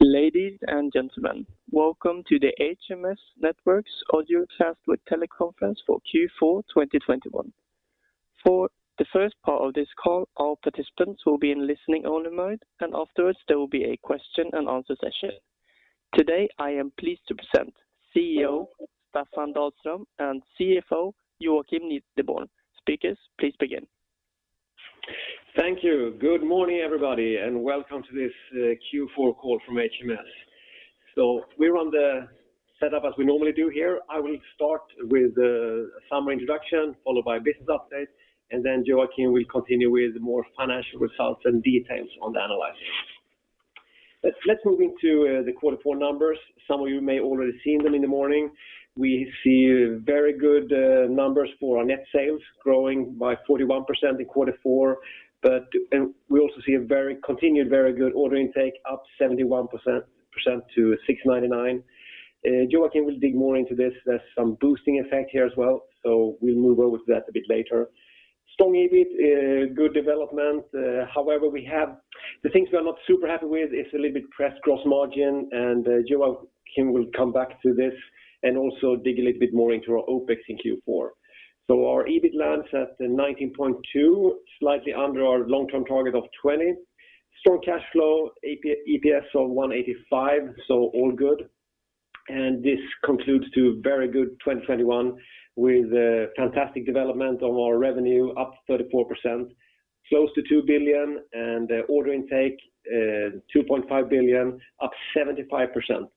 Ladies and gentlemen, welcome to the HMS Networks audiocast with teleconference for Q4 2021. For the first part of this call, all participants will be in listening-only mode, and afterwards, there will be a question and answer session. Today, I am pleased to present CEO, Staffan Dahlström and CFO, Joakim Nideborn. Speakers, please begin. Thank you. Good morning, everybody, and welcome to this Q4 call from HMS. We run the setup as we normally do here. I will start with the summary introduction, followed by business update, and then Joakim will continue with more financial results and details on the analysis. Let's move into the quarter four numbers. Some of you may already seen them in the morning. We see very good numbers for our net sales growing by 41% in quarter four. We also see a continued very good ordering intake up 71% to 699. Joakim will dig more into this. There's some boosting effect here as well, so we'll move over to that a bit later. Strong EBIT, good development. However, the things we are not super happy with is a little bit pressure on gross margin, and Joakim will come back to this and also dig a little bit more into our OpEx in Q4. Our EBIT lands at 19.2%, slightly under our long-term target of 20%. Strong cash flow, EPS of 1.85, so all good. This concludes a very good 2021 with fantastic development of our revenue up 34%, close to 2 billion and order intake 2.5 billion, up 75%.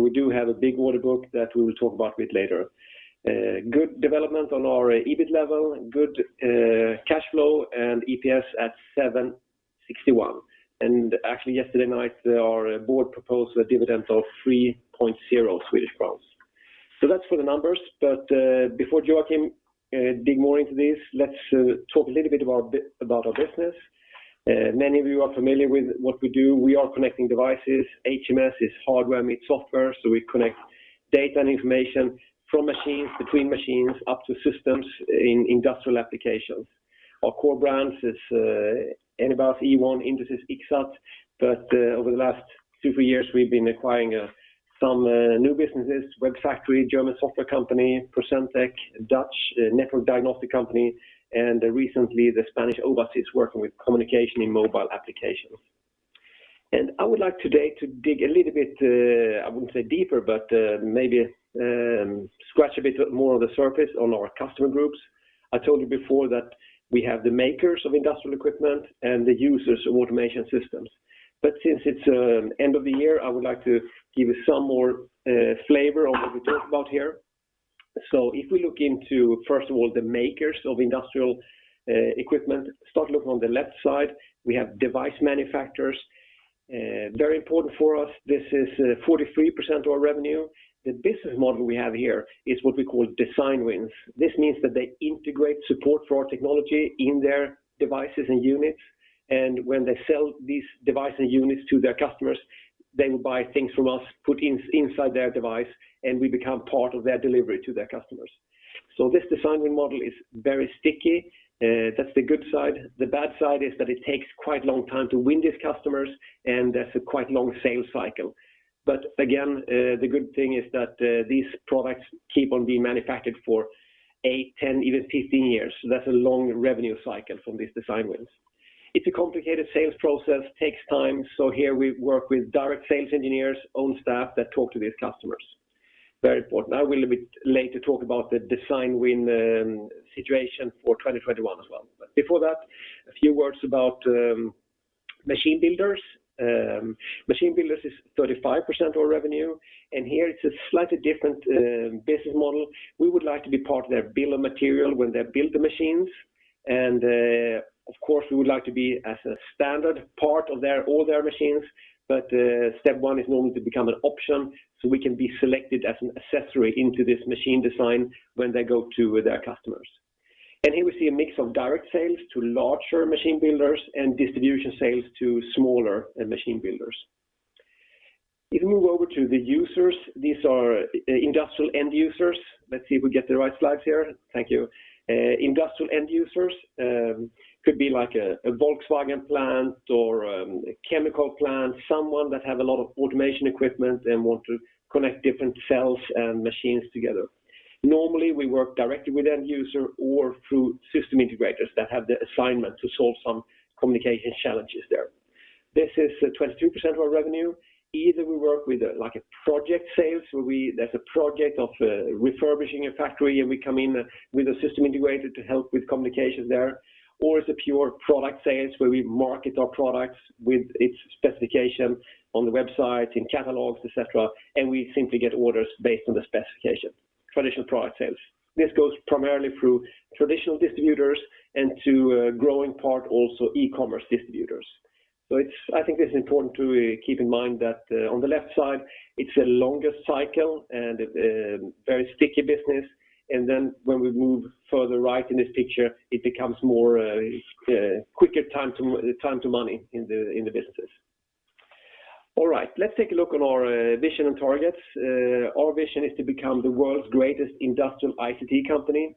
We do have a big order book that we will talk about a bit later. Good development on our EBIT level, good cash flow and EPS at 7.61. Actually yesterday night, our board proposed a dividend of 3.0 Swedish crowns. That's for the numbers. Before Joakim dig more into this, let's talk a little bit about our business. Many of you are familiar with what we do. We are connecting devices. HMS is hardware meet software, so we connect data and information from machines between machines up to systems in industrial applications. Our core brands is Anybus, Ewon, Intesis, Ixxat. Over the last two, three years, we've been acquiring some new businesses, WEBfactory, German software company, Procentec, Dutch network diagnostic company, and recently the Spanish Owasys working with communication in mobile applications. I would like today to dig a little bit. I wouldn't say deeper, but maybe scratch a bit more of the surface on our customer groups. I told you before that we have the makers of industrial equipment and the users of automation systems. Since it's end of the year, I would like to give you some more flavor on what we talk about here. If we look into, first of all, the makers of industrial equipment, start looking on the left side, we have device manufacturers. Very important for us. This is 43% of our revenue. The business model we have here is what we call design wins. This means that they integrate support for our technology in their devices and units. When they sell these devices and units to their customers, they will buy things from us, put it inside their devices, and we become part of their delivery to their customers. This design wins model is very sticky. That's the good side. The bad side is that it takes quite a long time to win these customers, and there's a quite long sales cycle. Again, the good thing is that these products keep on being manufactured for eight, 10, even 15 years. That's a long revenue cycle from these design wins. It's a complicated sales process, takes time. So here we work with direct sales engineers, own staff that talk to these customers. Very important. I will a bit later talk about the design win situation for 2021 as well. Before that, a few words about machine builders. Machine builders is 35% of our revenue, and here it's a slightly different business model. We would like to be part of their bill of material when they build the machines. Of course, we would like to be as a standard part of their, all their machines. Step one is normally to become an option, so we can be selected as an accessory into this machine design when they go to their customers. Here we see a mix of direct sales to larger machine builders and distribution sales to smaller machine builders. If you move over to the users, these are industrial end users. Let's see if we get the right slides here. Thank you. Industrial end users could be like a Volkswagen plant or a chemical plant, someone that have a lot of automation equipment and want to connect different cells and machines together. Normally, we work directly with end user or through system integrators that have the assignment to solve some communication challenges there. This is 22% of our revenue. Either we work with, like, a project sales, where there's a project of refurbishing a factory, and we come in with a system integrator to help with communication there, or it's a pure product sales where we market our products with its specification on the website, in catalogs, et cetera, and we simply get orders based on the specification. Traditional product sales. This goes primarily through traditional distributors and to a growing part also e-commerce distributors. I think this is important to keep in mind that on the left side, it's a longer cycle and a very sticky business and then when we move further right in this picture, it becomes more quicker time to money in the businesses. All right. Let's take a look at our vision and targets. Our vision is to become the world's greatest industrial ICT company.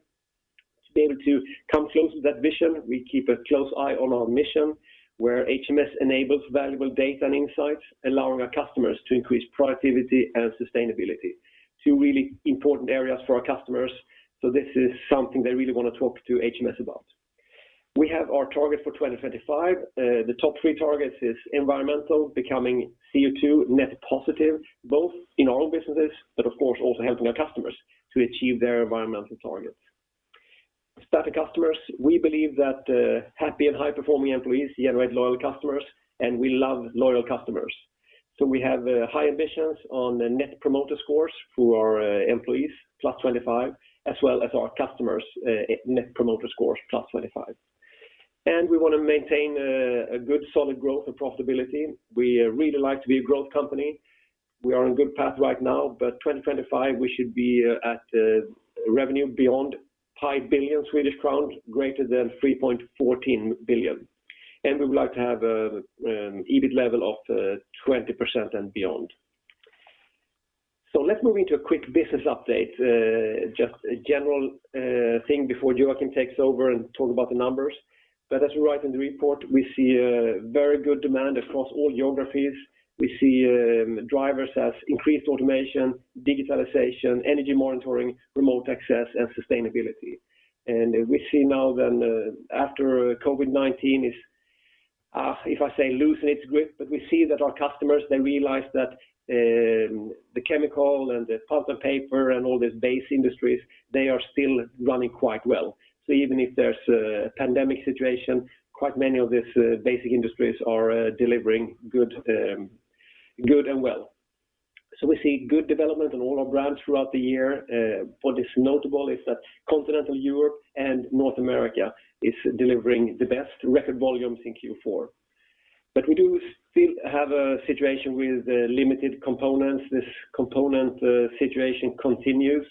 To be able to come close to that vision, we keep a close eye on our mission, where HMS enables valuable data and insights, allowing our customers to increase productivity and sustainability. Two really important areas for our customers, so this is something they really wanna talk to HMS about. We have our target for 2025. The top three targets is environmental, becoming CO2 net positive, both in our own businesses, but of course also helping our customers to achieve their environmental targets. Satisfied customers, we believe that happy and high-performing employees generate loyal customers, and we love loyal customers. We have high ambitions on the net promoter scores for our employees, +25, as well as our customers' net promoter scores, +25. We wanna maintain a good solid growth and profitability. We really like to be a growth company. We are on good path right now, but 2025, we should be at revenue beyond 5 billion Swedish crowns, greater than 3.14 billion. We would like to have EBIT level of 20% and beyond. Let's move into a quick business update, just a general thing before Joakim takes over and talk about the numbers. As we write in the report, we see a very good demand across all geographies. We see drivers as increased automation, digitalization, energy monitoring, remote access, and sustainability. We see now then, after COVID-19 is, if I say, loosen its grip, but we see that our customers, they realize that the chemical and the pulp and paper and all these base industries, they are still running quite well. Even if there's a pandemic situation, quite many of these basic industries are delivering goods well. We see good development on all our brands throughout the year. What is notable is that Continental Europe and North America is delivering the best record volumes in Q4. But we do still have a situation with limited components. This component situation continues.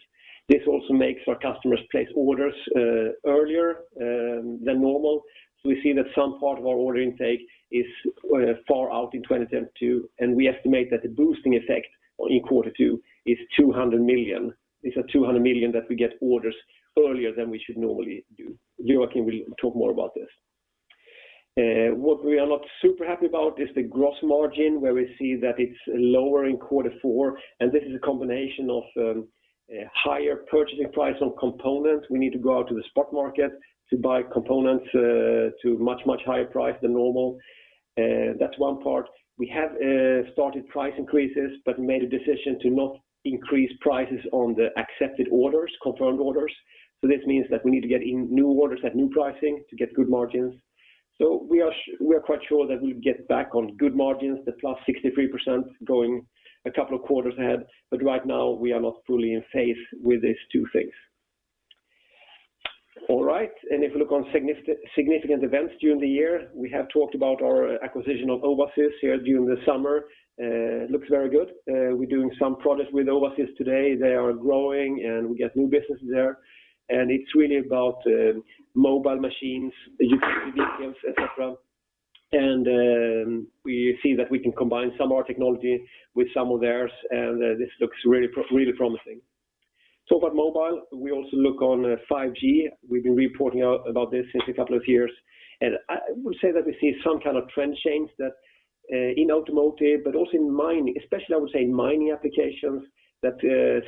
This also makes our customers place orders earlier than normal. We see that some part of our order intake is far out in 2022, and we estimate that the boosting effect in quarter two is 200 million. These are 200 million that we get orders earlier than we should normally do. Joakim will talk more about this. What we are not super happy about is the gross margin, where we see that it's lower in quarter four, and this is a combination of higher purchasing price on components. We need to go out to the spot market to buy components to much, much higher price than normal. That's one part. We have started price increases, but made a decision to not increase prices on the accepted orders, confirmed orders. This means that we need to get new orders at new pricing to get good margins. We are quite sure that we'll get back on good margins, the plus 63% going a couple of quarters ahead. Right now, we are not fully in phase with these two things. All right. If you look on significant events during the year, we have talked about our acquisition of Owasys here during the summer. It looks very good. We're doing some products with Owasys today. They are growing, and we get new businesses there. It's really about mobile machines, utility vehicles, et cetera. We see that we can combine some of our technology with some of theirs, and this looks really promising. Talk about mobile, we also look on 5G. We've been reporting about this since a couple of years. I would say that we see some kind of trend change that, in automotive, but also in mining, especially I would say in mining applications, that,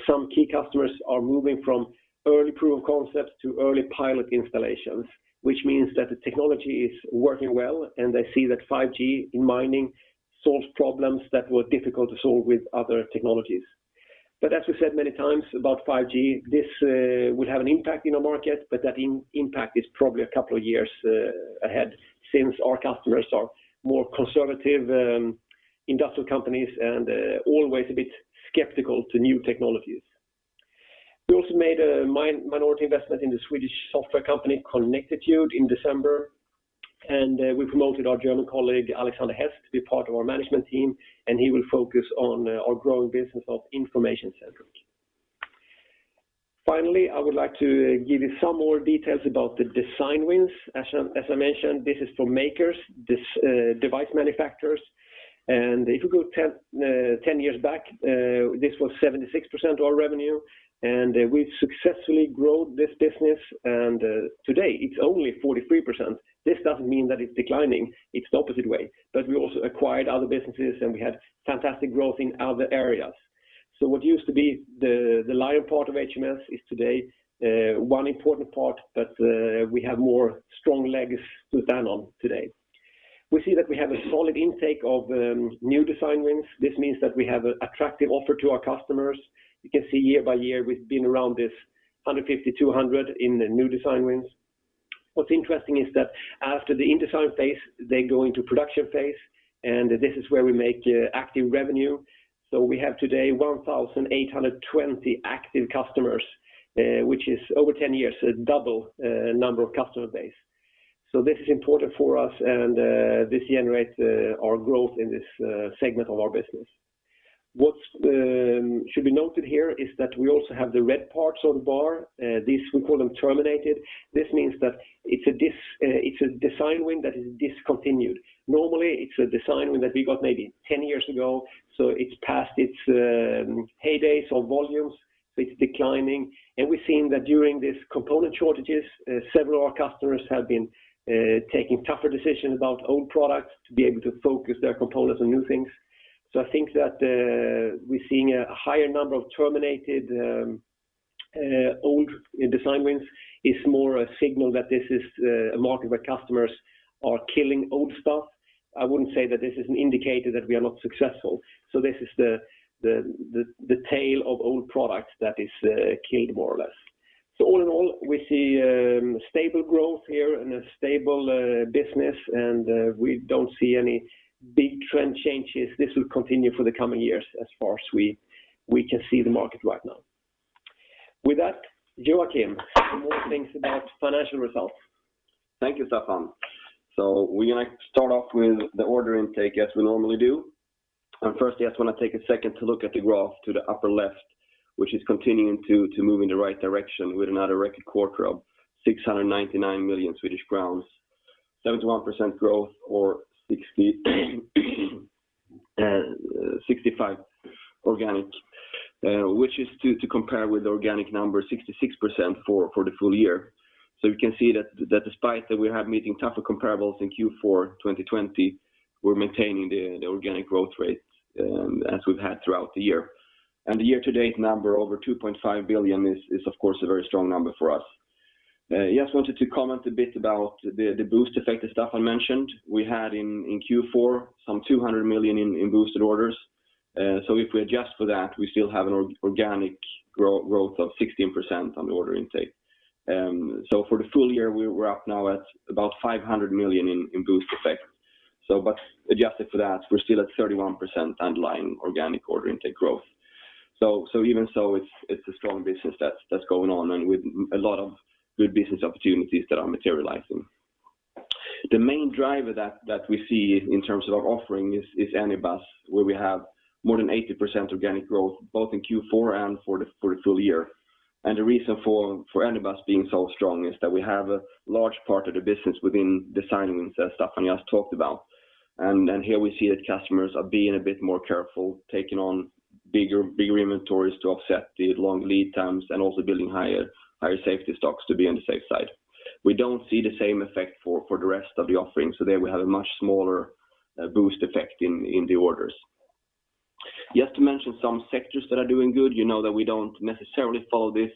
some key customers are moving from early proof of concepts to early pilot installations, which means that the technology is working well, and they see that 5G in mining solves problems that were difficult to solve with other technologies. As we said many times about 5G, this will have an impact in the market, but that impact is probably a couple of years ahead since our customers are more conservative, industrial companies and, always a bit skeptical to new technologies. We also made a minority investment in the Swedish software company, Connectitude, in December. We promoted our German colleague, Alexander Hess, to be part of our management team, and he will focus on our growing business of Information Centric. Finally, I would like to give you some more details about the design wins. As I mentioned, this is for makers, device manufacturers. If you go 10 years back, this was 76% of our revenue, and we've successfully grown this business. Today, it's only 43%. This doesn't mean that it's declining, it's the opposite way. We also acquired other businesses, and we had fantastic growth in other areas. What used to be the lion part of HMS is today one important part, but we have more strong legs to stand on today. We see that we have a solid intake of new design wins. This means that we have an attractive offer to our customers. You can see year by year, we've been around this 150, 200 in the new design wins. What's interesting is that after the in-design phase, they go into production phase, and this is where we make active revenue. We have today 1,820 active customers, which is over 10 years, a double number of customer base. This is important for us and this generates our growth in this segment of our business. What should be noted here is that we also have the red parts of the bar. These, we call them terminated. This means that it's a design win that is discontinued. Normally, it's a design win that we got maybe 10 years ago, so it's past its heyday of volumes, so it's declining. We've seen that during these component shortages, several of our customers have been taking tougher decisions about old products to be able to focus their components on new things. I think that we're seeing a higher number of terminated old design wins is more a signal that this is a market where customers are killing old stuff. I wouldn't say that this is an indicator that we are not successful. This is the tail of old products that is killed more or less. All in all, we see stable growth here and a stable business and we don't see any big trend changes. This will continue for the coming years as far as we can see the market right now. With that, Joakim, more things about financial results. Thank you, Staffan. We like to start off with the order intake as we normally do. First, I just want to take a second to look at the graph to the upper left, which is continuing to move in the right direction with another record quarter of 699 million Swedish crowns, 71% growth or 65% organic, which is to compare with organic number 66% for the full year. We can see that despite that we have meeting tougher comparables in Q4 2020, we're maintaining the organic growth rates as we've had throughout the year. The year-to-date number over 2.5 billion is, of course, a very strong number for us. Just wanted to comment a bit about the boost effect that Staffan mentioned. We had in Q4, some 200 million in boosted orders. If we adjust for that, we still have an organic growth of 16% on the order intake. For the full year, we're up now at about 500 million in boost effect. Adjusted for that, we're still at 31% underlying organic order intake growth. Even so, it's a strong business that's going on and with a lot of good business opportunities that are materializing. The main driver that we see in terms of our offering is Anybus, where we have more than 80% organic growth, both in Q4 and for the full year. The reason for Anybus being so strong is that we have a large part of the business within design wins that Staffan just talked about. Here we see that customers are being a bit more careful, taking on bigger inventories to offset the long lead times and also building higher safety stocks to be on the safe side. We don't see the same effect for the rest of the offering. There we have a much smaller boost effect in the orders. Just to mention some sectors that are doing good, you know that we don't necessarily follow this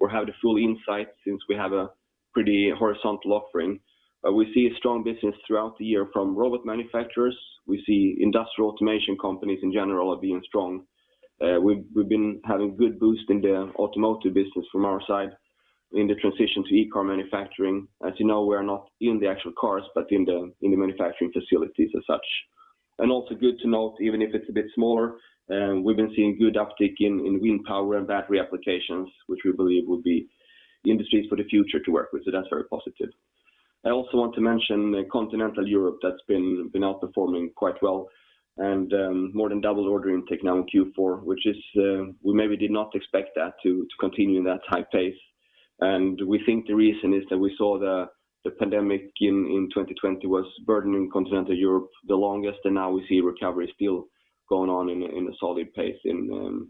or have the full insight since we have a pretty horizontal offering. We see a strong business throughout the year from robot manufacturers. We see industrial automation companies in general are being strong. We've been having good boost in the automotive business from our side in the transition to e-car manufacturing. As you know, we're not in the actual cars, but in the manufacturing facilities as such. Also good to note, even if it's a bit smaller, we've been seeing good uptick in wind power and battery applications, which we believe will be industries for the future to work with. That's very positive. I also want to mention Continental Europe that's been outperforming quite well and more than double order intake now in Q4, which is we maybe did not expect that to continue in that high pace. We think the reason is that we saw the pandemic in 2020 was burdening continental Europe the longest, and now we see recovery still going on in a solid pace in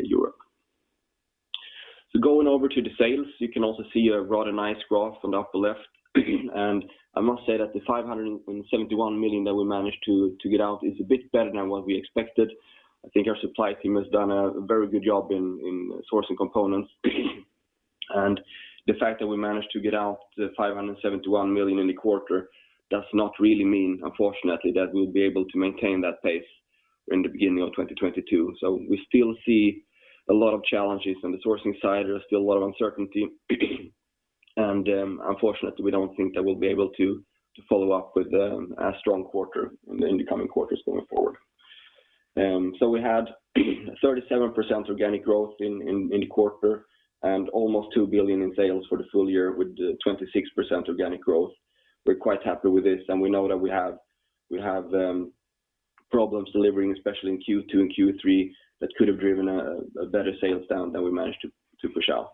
Europe. Going over to the sales, you can also see a rather nice graph on the upper left. I must say that the 571 million that we managed to get out is a bit better than what we expected. I think our supply team has done a very good job in sourcing components. The fact that we managed to get out the 571 million in the quarter does not really mean, unfortunately, that we'll be able to maintain that pace in the beginning of 2022. We still see a lot of challenges on the sourcing side. There's still a lot of uncertainty. Unfortunately, we don't think that we'll be able to follow up with a strong quarter in the coming quarters going forward. We had 37% organic growth in the quarter and almost 2 billion in sales for the full year with 26% organic growth. We're quite happy with this, and we know that we have problems delivering, especially in Q2 and Q3, that could have driven a better sales down than we managed to push out.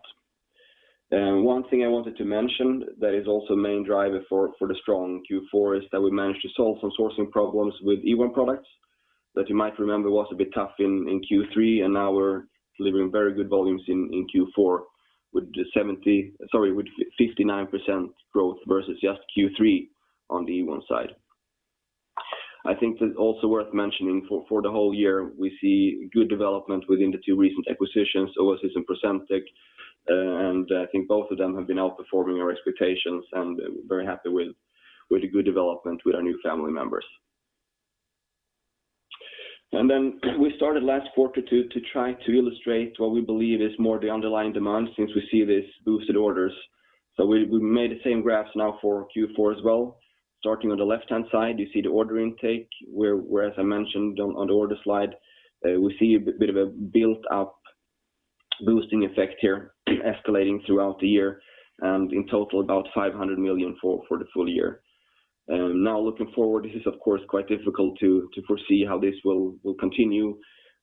One thing I wanted to mention that is also a main driver for the strong Q4 is that we managed to solve some sourcing problems with Ewon products that you might remember was a bit tough in Q3, and now we're delivering very good volumes in Q4 with 59% growth versus just Q3 on the Ewon side. I think that also worth mentioning for the whole year, we see good development within the two recent acquisitions, Owasys and Procentec. I think both of them have been outperforming our expectations, and we're very happy with the good development with our new family members. We started last quarter to try to illustrate what we believe is more the underlying demand since we see this boosted orders. We made the same graphs now for Q4 as well. Starting on the left-hand side, you see the order intake where, as I mentioned on the order slide, we see a bit of a build-up boosting effect here escalating throughout the year, and in total about 500 million for the full year. Now, looking forward, this is of course quite difficult to foresee how this will continue.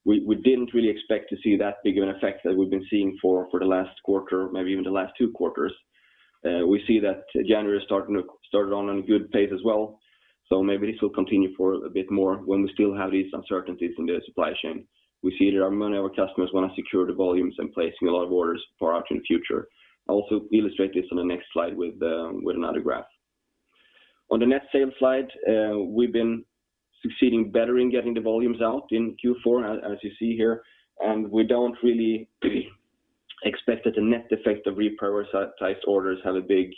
We didn't really expect to see that big of an effect that we've been seeing for the last quarter, maybe even the last two quarters. We see that January started on a good pace as well. Maybe this will continue for a bit more when we still have these uncertainties in the supply chain. We see that many of our customers want to secure the volumes and are placing a lot of orders far out in the future. I'll also illustrate this on the next slide with another graph. On the net sales slide, we've been succeeding better in getting the volumes out in Q4, as you see here, and we don't really expect that the net effect of reprioritized orders have a big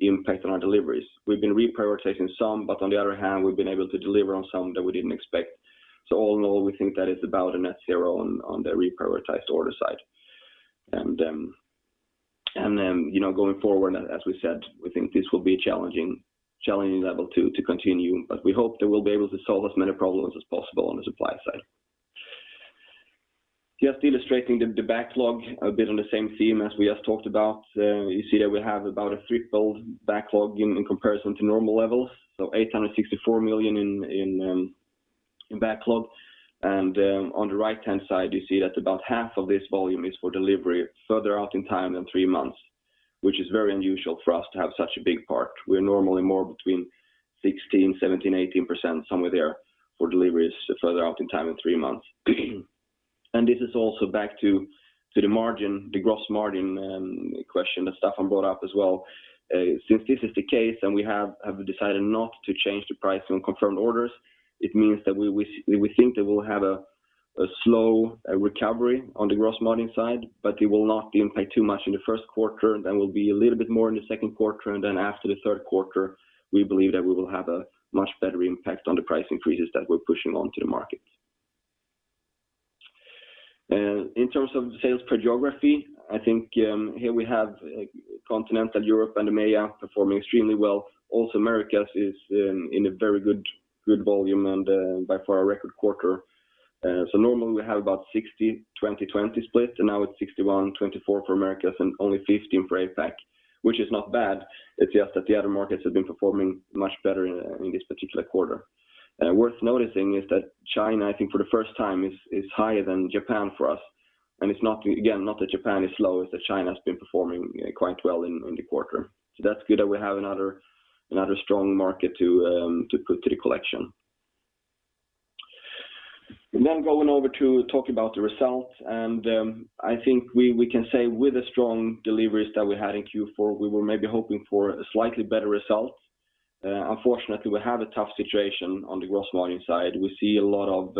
impact on our deliveries. We've been reprioritizing some, but on the other hand, we've been able to deliver on some that we didn't expect. All in all, we think that it's about a net zero on the reprioritized order side. Going forward, as we said, we think this will be a challenging level to continue, but we hope that we'll be able to solve as many problems as possible on the supply side. Just illustrating the backlog a bit on the same theme as we just talked about. You see that we have about a threefold backlog in comparison to normal levels. 864 million in backlog. On the right-hand side, you see that about half of this volume is for delivery further out in time than three months, which is very unusual for us to have such a big part. We're normally more between 16%, 17%, 18%, somewhere there for deliveries further out in time than three months. This is also back to the margin, the gross margin question that Staffan brought up as well. Since this is the case, and we have decided not to change the price on confirmed orders, it means that we think that we'll have a slow recovery on the gross margin side, but it will not impact too much in the first quarter and that will be a little bit more in the second quarter, and then after the third quarter, we believe that we will have a much better impact on the price increases that we're pushing on to the market. In terms of sales per geography, I think here we have Continental Europe and EMEA performing extremely well. Also, Americas is in a very good volume and by far a record quarter. Normally we have about 60%/20%/20% split, and now it's 61%/24% for Americas and only 15% for APAC, which is not bad. It's just that the other markets have been performing much better in this particular quarter. Worth noticing is that China, I think for the first time, is higher than Japan for us. It's again not that Japan is slow, it's that China has been performing quite well in the quarter. That's good that we have another strong market to put to the collection. Then, going over to talk about the results, I think we can say with the strong deliveries that we had in Q4, we were maybe hoping for a slightly better result. Unfortunately, we have a tough situation on the gross margin side. We see a lot of,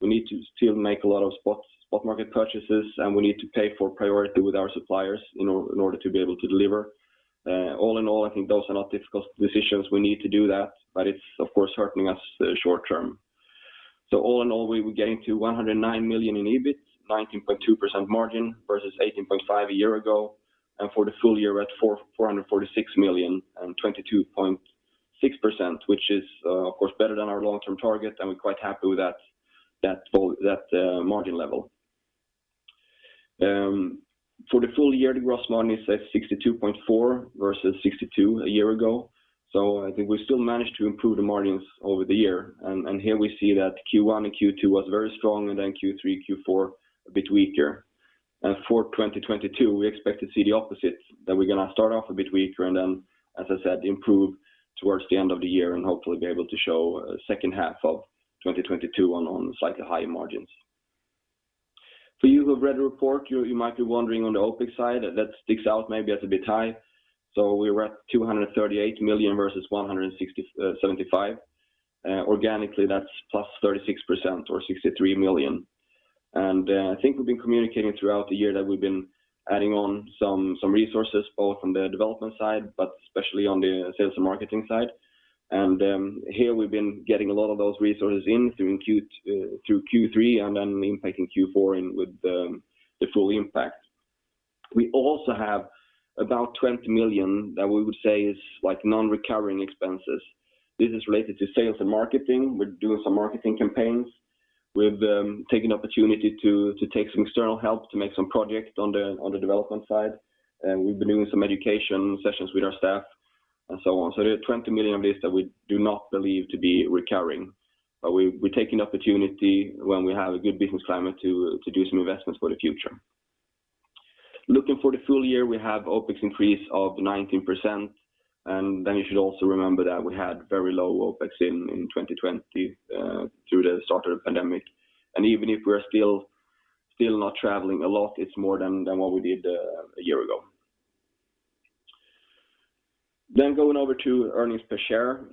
we need to still make a lot of spot market purchases, and we need to pay for priority with our suppliers in order to be able to deliver. All in all, I think those are not difficult decisions. We need to do that, but it's of course hurting us short term. All in all, we were getting to 109 million in EBIT, 19.2% margin versus 18.5% a year ago. For the full year, we're at 446 million and 22.6%, which is, of course better than our long-term target, and we're quite happy with that margin level. For the full year, the gross margin is at 62.4% versus 62% a year ago. I think we still managed to improve the margins over the year. Here we see that Q1 and Q2 was very strong, and then Q3, Q4 a bit weaker. For 2022, we expect to see the opposite, that we're gonna start off a bit weaker and then, as I said, improve towards the end of the year and hopefully be able to show a second half of 2022 on slightly higher margins. For you who have read the report, you might be wondering on the OpEx side, that sticks out maybe as a bit high. We were at 238 million versus 175 million. Organically, that's +36% or 63 million. I think we've been communicating throughout the year that we've been adding on some resources, both on the development side, but especially on the sales and marketing side. Here we've been getting a lot of those resources in through Q3 and then impacting Q4 with the full impact. We also have about 20 million that we would say is like non-recurring expenses. This is related to sales and marketing. We're doing some marketing campaigns. We've taken opportunity to take some external help to make some projects on the development side. We've been doing some education sessions with our staff and so on. The 20 million of this that we do not believe to be recurring. We're taking opportunity when we have a good business climate to do some investments for the future. Looking for the full year, we have OpEx increase of 19%. Then, you should also remember that we had very low OpEx in 2020 through the start of the pandemic. Even if we are still not traveling a lot, it's more than what we did a year ago. Going over to earnings per share.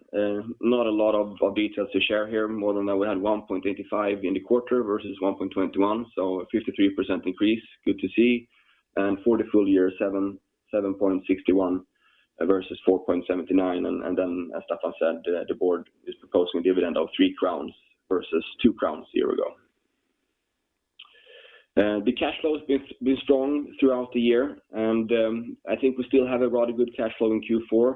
Not a lot of details to share here, more than that we had 1.85 in the quarter versus 1.21. A 53% increase, good to see. For the full year, 7.61 versus 4.79. as Staffan said, the board is proposing a dividend of 3 crowns versus 2 crowns a year ago. The cash flow has been strong throughout the year. I think we still have a rather good cash flow in Q4.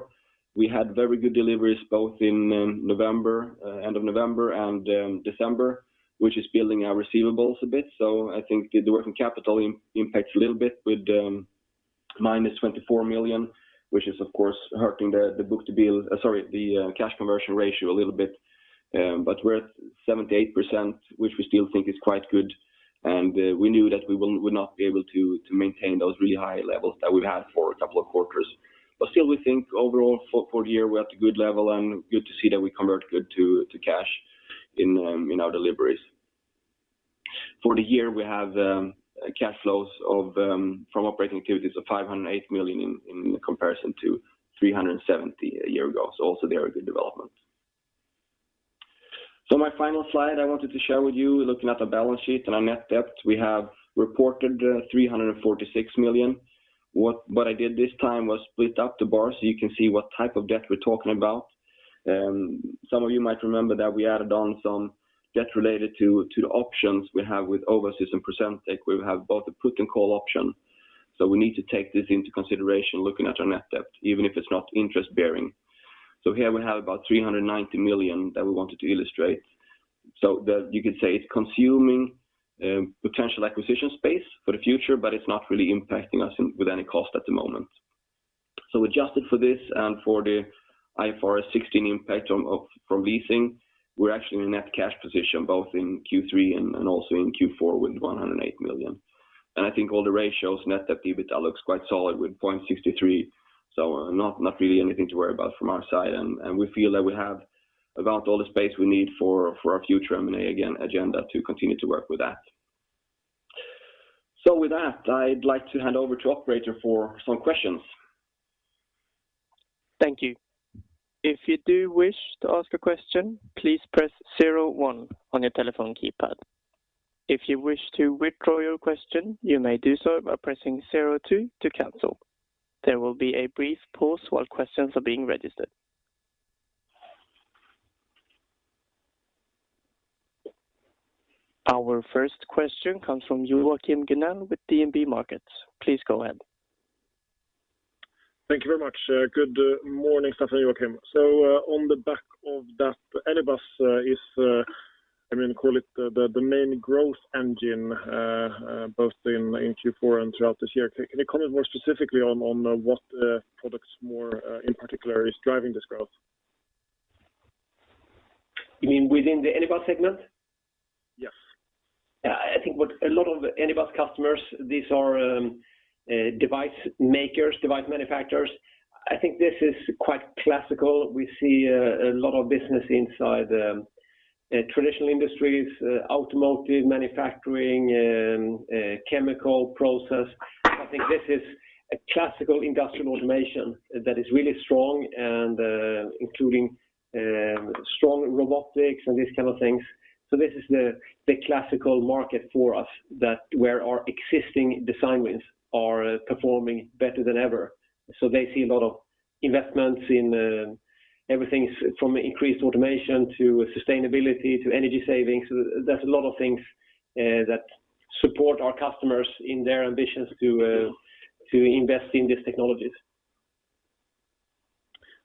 We had very good deliveries both in November, end of November and December, which is building our receivables a bit. I think the working capital impact a little bit with -24 million, which is of course hurting the cash conversion ratio a little bit, but we're at 7%-8%, which we still think is quite good. We knew that we would not be able to maintain those really high levels that we've had for a couple of quarters. Still, we think overall for the year, we're at a good level, and good to see that we convert goods to cash in our deliveries. For the year, we have cash flows from operating activities of 508 million in comparison to 370 million a year ago. Also very good development. My final slide, I wanted to share with you, looking at the balance sheet and our net debt. We have reported 346 million. What I did this time was split up the bar so you can see what type of debt we're talking about. Some of you might remember that we added on some debt related to the options we have with Owasys and Procentec. We have both a put and call option, so we need to take this into consideration looking at our net debt, even if it's not interest bearing. Here we have about 390 million that we wanted to illustrate. You could say it's consuming potential acquisition space for the future, but it's not really impacting us with any cost at the moment. Adjusted for this and for the IFRS 16 impact from leasing, we're actually in a net cash position both in Q3 and also in Q4 with 108 million. I think all the ratios, net debt, EBITDA looks quite solid with 0.63. Not really anything to worry about from our side. We feel that we have about all the space we need for our future M&A agenda to continue to work with that. With that, I'd like to hand over to operator for some questions. Thank you. If you do wish to ask a question, please press zero one on your telephone keypad. If you wish to withdraw your question, you may do so by pressing zero two to cancel. There will be a brief pause while questions are being registered. Our first question comes from Joachim Gunell with DNB Markets. Please go ahead. Thank you very much. Good morning, Staffan and Joakim. On the back of that, Anybus is, I mean, call it the main growth engine, both in Q4 and throughout this year. Can you comment more specifically on what products more in particular is driving this growth? You mean within the Anybus segment? Yes. I think a lot of Anybus customers, these are device makers, device manufacturers. I think this is quite classical. We see a lot of business inside traditional industries, automotive, manufacturing, chemical process. I think this is a classical industrial automation that is really strong and including strong robotics and these kind of things. This is the classical market for us that where our existing design wins are performing better than ever. They see a lot of investments in everything from increased automation to sustainability to energy savings. There's a lot of things that support our customers in their ambitions to invest in these technologies.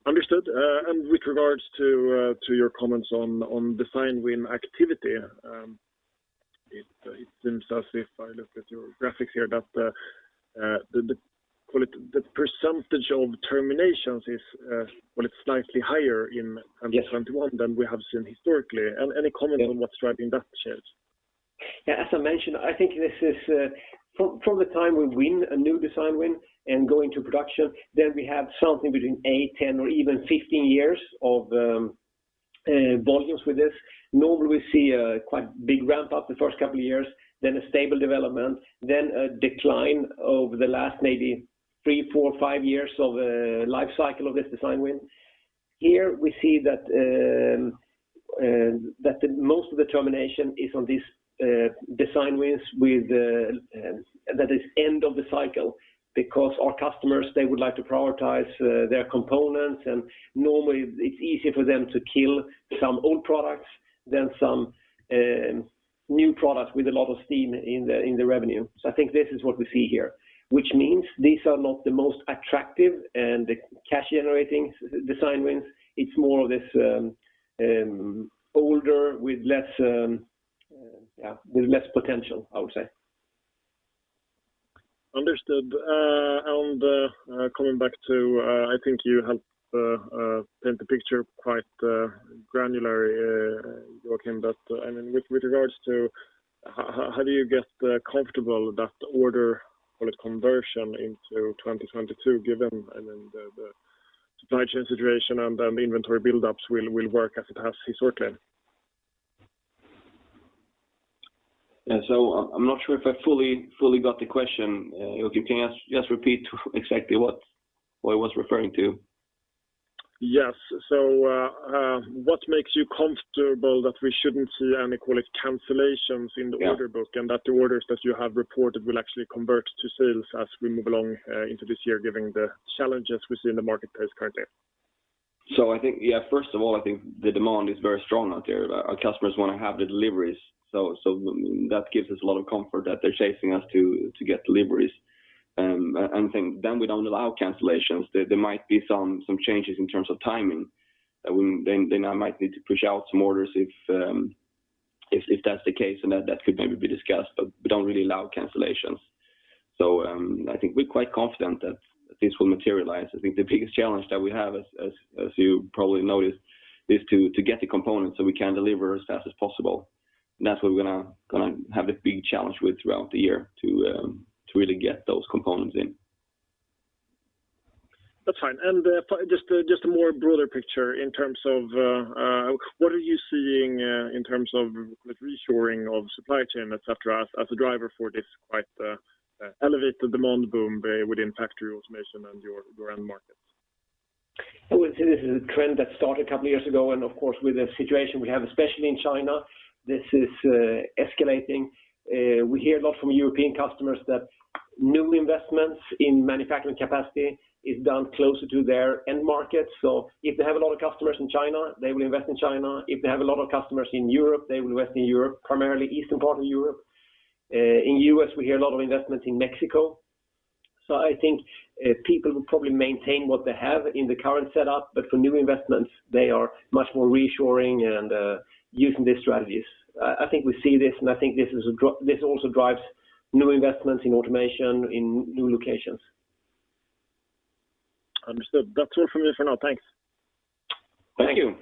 Understood. With regards to your comments on design wins activity, it seems as if I look at your graphics here that, call it, the percentage of terminations is slightly higher in- Yes. 2021 than we have seen historically. Any comment on what's driving that change? Yeah. As I mentioned, I think this is from the time we win a new design win and go into production, then we have something between eight, 10 or even 15 years of volumes with this. Normally, we see a quite big ramp up the first couple of years, then a stable development, then a decline over the last maybe three, four, five years of life cycle of this design win. Here we see that the most of the termination is on these design wins with that is end of the cycle because our customers, they would like to prioritize their components, and normally it's easier for them to kill some old products than some new products with a lot of steam in the revenue. I think this is what we see here, which means these are not the most attractive, the cash generating design wins. It's more of this, older with less potential, I would say. Understood. Coming back to, I think you helped paint the picture quite granular, Joakim. I mean, with regards to how do you get comfortable that order, call it conversion into 2022, given the supply chain situation and inventory buildups will work as it has historically? Yeah. I'm not sure if I fully got the question. If you can just repeat exactly what I was referring to. Yes. What makes you comfortable that we shouldn't see any, call it, cancellations in the order book? Yeah. that the orders that you have reported will actually convert to sales as we move along, into this year, given the challenges we see in the marketplace currently? I think, yeah, first of all, I think the demand is very strong out there. Our customers wanna have the deliveries, that gives us a lot of comfort that they're chasing us to get deliveries. I think then we don't allow cancellations. There might be some changes in terms of timing. They now might need to push out some orders if that's the case, and that could maybe be discussed, but we don't really allow cancellations. I think we're quite confident that this will materialize. I think the biggest challenge that we have, as you probably noticed, is to get the components so we can deliver as fast as possible. That's what we're gonna have a big challenge with throughout the year to really get those components in. That's fine. Just a more broader picture in terms of what are you seeing in terms of the reshoring of supply chain, et cetera, as a driver for this quite elevated demand boom within factory automation and your end markets? I would say this is a trend that started a couple years ago, and of course, with the situation we have, especially in China, this is escalating. We hear a lot from European customers that new investments in manufacturing capacity is done closer to their end market. If they have a lot of customers in China, they will invest in China. If they have a lot of customers in Europe, they will invest in Europe, primarily eastern part of Europe. In U.S., we hear a lot of investment in Mexico. I think people will probably maintain what they have in the current setup, but for new investments, they are much more reshoring and using these strategies. I think we see this, and I think this also drives new investments in automation in new locations. Understood. That's all from me for now. Thanks. Thank you.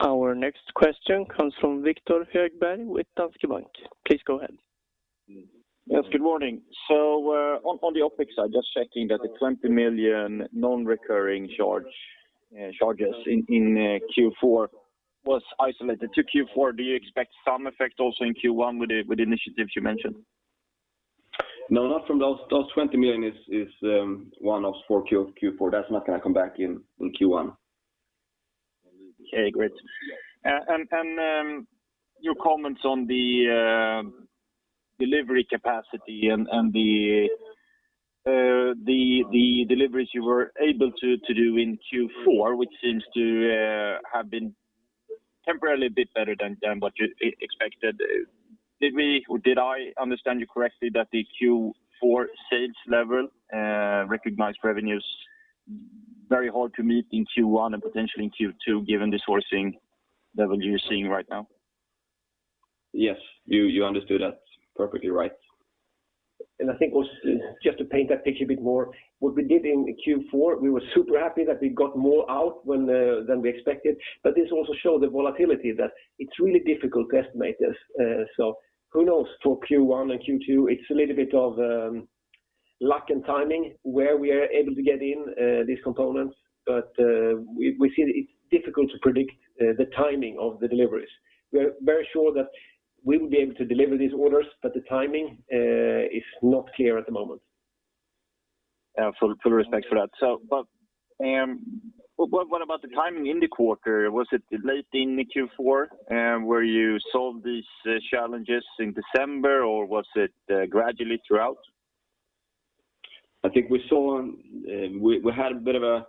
Our next question comes from Viktor Högberg with Danske Bank. Please go ahead. Yes, good morning. On the OpEx side, just checking that the 20 million non-recurring charges in Q4 was isolated to Q4. Do you expect some effect also in Q1 with the initiatives you mentioned? No, not from those. Those 20 million is one-offs for Q4. That's not gonna come back in Q1. Okay, great. Your comments on the delivery capacity and the deliveries you were able to do in Q4, which seems to have been temporarily a bit better than what you expected. Did I understand you correctly that the Q4 sales level recognized revenues very hard to meet in Q1 and potentially in Q2, given the sourcing level you're seeing right now? Yes. You understood that perfectly right. I think also just to paint that picture a bit more, what we did in Q4, we were super happy that we got more out than we expected, but this also showed the volatility that it's really difficult to estimate this. Who knows for Q1 and Q2, it's a little bit of luck and timing where we are able to get in these components. We see that it's difficult to predict the timing of the deliveries. We are very sure that we will be able to deliver these orders, but the timing is not clear at the moment. Yeah. Full respect for that. What about the timing in the quarter? Was it late in Q4, where you solved these challenges in December, or was it gradually throughout? I think we saw, we had a bit of a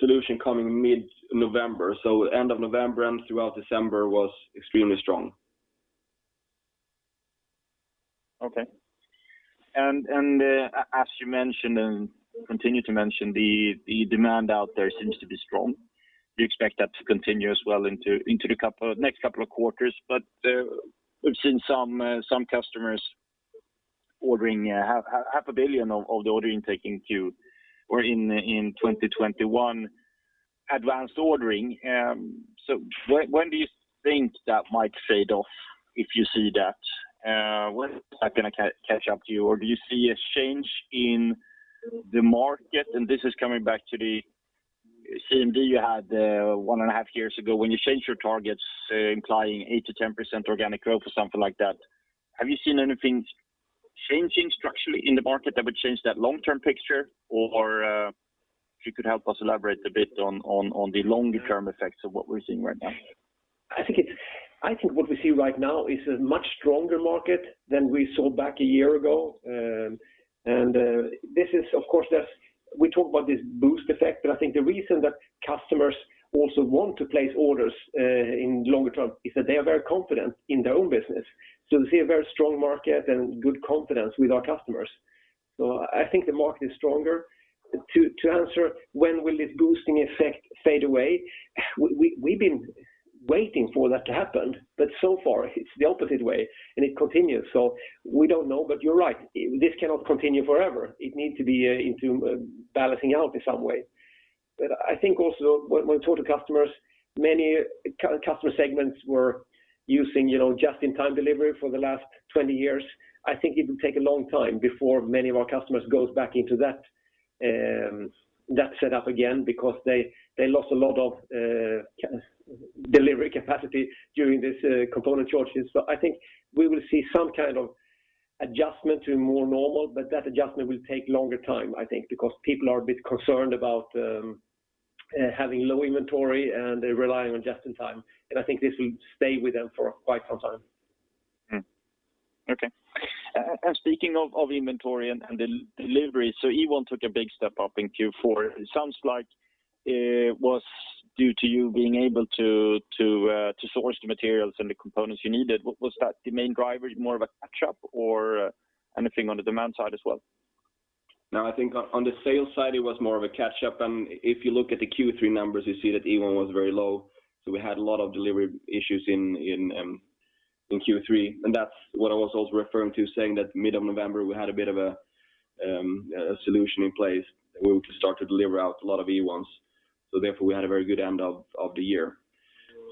solution coming mid-November. End of November and throughout December was extremely strong. Okay and as you mentioned and continue to mention, the demand out there seems to be strong. Do you expect that to continue as well into the next couple of quarters? We've seen some customers ordering 0.5 billion of the order intake in Q4 or in 2021 advance ordering. When do you think that might fade off, if you see that? When is that gonna catch up to you? Or do you see a change in the market? This is coming back to the CMD you had one and a half years ago when you changed your targets, implying 8%-10% organic growth or something like that. Have you seen anything changing structurally in the market that would change that long-term picture? If you could help us elaborate a bit on the longer term effects of what we're seeing right now? I think what we see right now is a much stronger market than we saw back a year ago. This is, of course, we talk about this boost effect, but I think the reason that customers also want to place orders in longer term is that they are very confident in their own business. We see a very strong market and good confidence with our customers. I think the market is stronger. To answer when will this boosting effect fade away, we've been waiting for that to happen, but so far it's the opposite way, and it continues. We don't know, but you're right. This cannot continue forever. It needs to be into balancing out in some way. I think also when we talk to customers, many customer segments were using, you know, just-in-time delivery for the last 20 years. I think it will take a long time before many of our customers goes back into that setup again because they lost a lot of delivery capacity during this component shortages. I think we will see some kind of adjustment to more normal, but that adjustment will take longer time, I think, because people are a bit concerned about having low inventory and they're relying on just-in-time, and I think this will stay with them for quite some time. Okay. Speaking of inventory and delivery. Ewon took a big step up in Q4. It sounds like it was due to you being able to source the materials and the components you needed. Was that the main driver, more of a catch-up or anything on the demand side as well? No, I think on the sales side, it was more of a catch-up. If you look at the Q3 numbers, you see that Ewon was very low. We had a lot of delivery issues in Q3, and that's what I was also referring to saying that mid of November, we had a bit of a solution in place where we could start to deliver out a lot of Ewons. Therefore, we had a very good end of the year.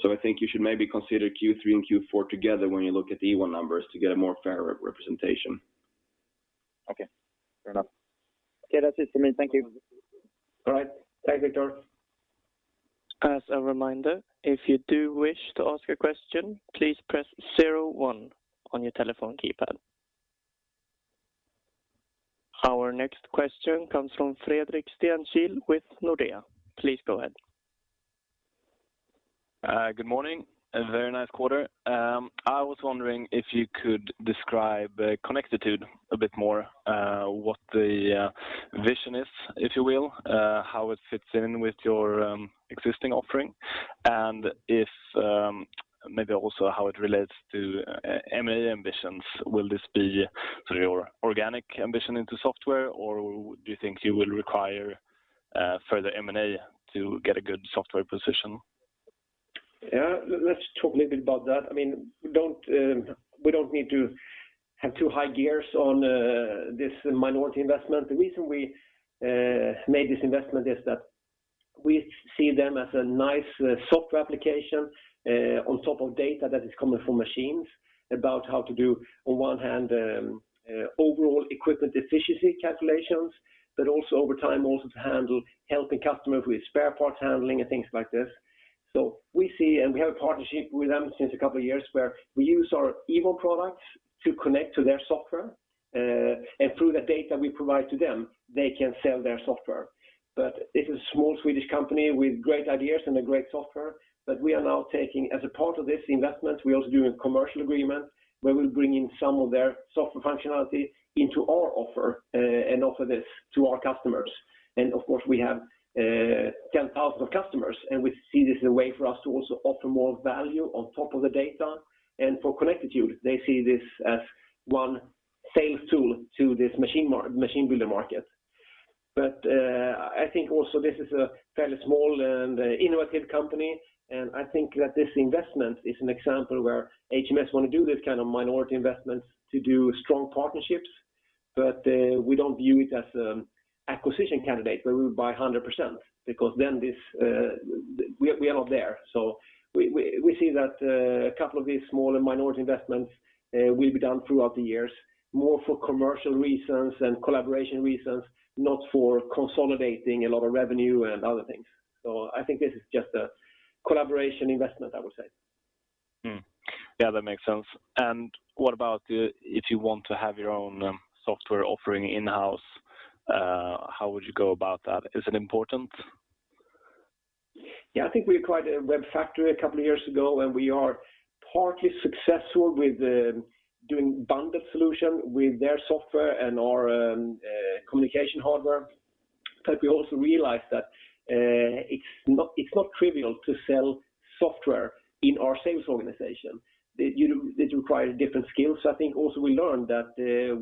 I think you should maybe consider Q3 and Q4 together when you look at the Ewon numbers to get a more fairer representation. Okay. Fair enough. Okay. That's it for me. Thank you. All right. Thank you, Viktor. As a reminder, if you do wish to ask a question, please press zero one on your telephone keypad. Our next question comes from Fredrik Stenkil with Nordea. Please go ahead. Good morning and very nice quarter. I was wondering if you could describe Connectitude a bit more, what the vision is, if you will, how it fits in with your existing offering and if maybe also how it relates to M&A ambitions. Will this be sort of your organic ambition into software, or do you think you will require further M&A to get a good software position? Let's talk a little bit about that. I mean, we don't need to have too high gears on this minority investment. The reason we made this investment is that we see them as a nice software application on top of data that is coming from machines about how to do, on one hand, overall equipment effectiveness calculations, but also over time, also to handle helping customers with spare parts handling and things like this. We see, and we have a partnership with them since a couple of years, where we use our Ewon products to connect to their software, and through the data we provide to them, they can sell their software. It's a small Swedish company with great ideas and a great software that we are now taking as a part of this investment. We're also doing a commercial agreement where we'll bring in some of their software functionality into our offer, and offer this to our customers. Of course, we have 10,000 customers, and we see this as a way for us to also offer more value on top of the data. For Connectitude, they see this as one sales tool to this machine builder market. I think also this is a fairly small and innovative company, and I think that this investment is an example where HMS wanna do this kind of minority investments to do strong partnerships, but we don't view it as acquisition candidates where we would buy 100% because then this, we are not there. We see that a couple of these small and minority investments will be done throughout the years, more for commercial reasons and collaboration reasons, not for consolidating a lot of revenue and other things. I think this is just a collaboration investment, I would say. Yeah, that makes sense. What about if you want to have your own software offering in-house, how would you go about that? Is it important? Yeah. I think we acquired WEBfactory a couple of years ago, and we are partly successful with doing bundled solution with their software and our communication hardware. We also realized that it's not trivial to sell software in our sales organization. They, you know, they require different skills. I think also we learned that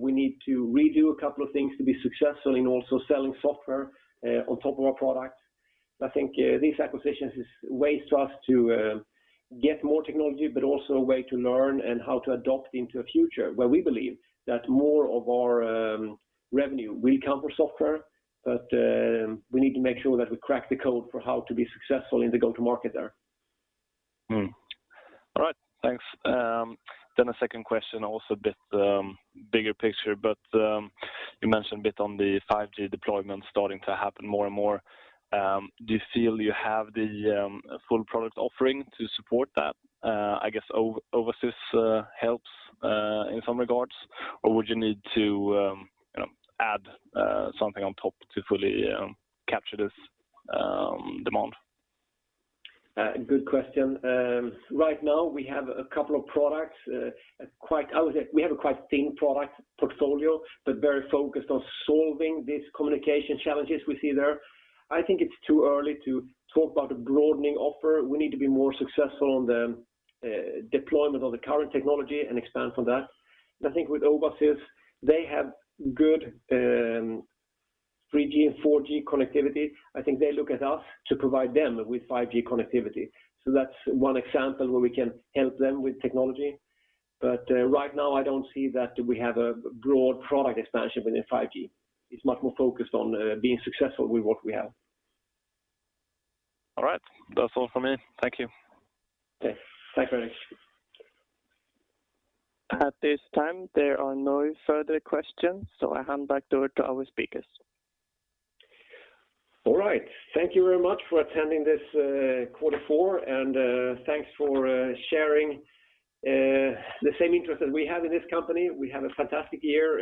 we need to redo a couple of things to be successful in also selling software on top of our products. I think these acquisitions is ways to us to get more technology, but also a way to learn and how to adopt into a future where we believe that more of our revenue will come for software. We need to make sure that we crack the code for how to be successful in the go-to-market there. All right. Thanks. A second question, also a bit bigger picture, but you mentioned a bit on the 5G deployment starting to happen more and more. Do you feel you have the full product offering to support that? I guess Owasys helps in some regards, or would you need to, you know, add something on top to fully capture this demand? Good question. Right now we have a couple of products. I would say we have a quite thin product portfolio, but very focused on solving these communication challenges we see there. I think it's too early to talk about a broadening offer. We need to be more successful on the deployment of the current technology and expand from that. I think with Owasys, they have good 3G and 4G connectivity. I think they look at us to provide them with 5G connectivity. That's one example where we can help them with technology, but right now, I don't see that we have a broad product expansion within 5G. It's much more focused on being successful with what we have. All right. That's all from me. Thank you. Okay. Thanks, Fredrik. At this time, there are no further questions, so I hand back over to our speakers. All right. Thank you very much for attending this quarter four, and thanks for sharing the same interest that we have in this company. We had a fantastic year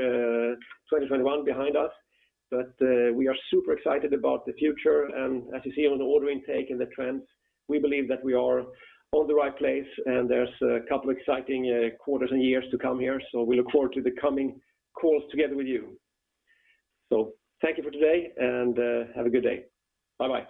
2021 behind us. We are super excited about the future. As you see on the order intake and the trends, we believe that we are on the right place and there's a couple exciting quarters and years to come here. We look forward to the coming calls together with you. Thank you for today, and have a good day. Bye-bye.